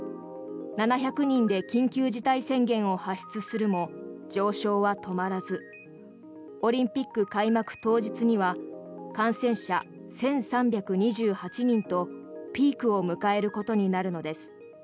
７００人で緊急事態宣言を発出するも上昇は止まらずオリンピック開幕当日には感染者１３２８人とピークを迎えることになるのです。